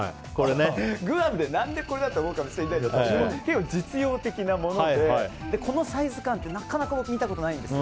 グアムで何でこれだと思うかもしれないですが結構、実用的なものでこのサイズ感ってなかなか僕、見たことないんです。